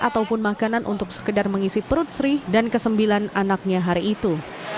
ataupun makanan untuk sekedar mengisi perut sri dan kesembilan anaknya hari itu